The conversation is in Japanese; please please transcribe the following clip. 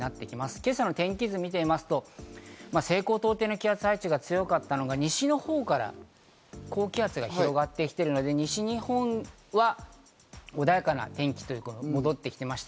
今朝の天気図を見てみますと、西高東低の気圧配置が強かったのが、西の方から高気圧が広がってきて、西日本は穏やかな天気が戻ってきました。